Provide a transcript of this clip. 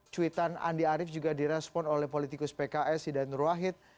cuitan andi arief juga direspon oleh politikus pks hidayat nur wahid